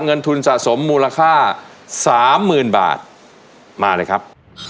เงินทุนสะสมมูลค่า๓๐๐๐บาทมาเลยครับ